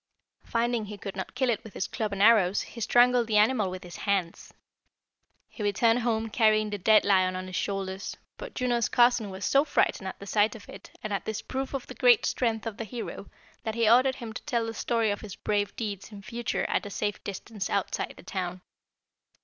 Finding he could not kill it with his club and arrows, he strangled the animal with his hands. He returned home carrying the dead lion on his shoulders, but Juno's cousin was so frightened at the sight of it and at this proof of the great strength of the hero that he ordered him to tell the story of his brave deeds in future at a safe distance outside the town."